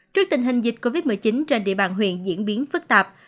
trước tình hình dịch covid một mươi chín trên địa bàn huyện diễn biến phức tạp